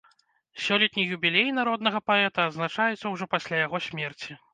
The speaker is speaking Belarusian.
Сёлетні юбілей народнага паэта адзначаецца ўжо пасля яго смерці.